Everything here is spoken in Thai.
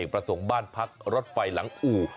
ประสงค์บ้านพักรถไฟหลังอู่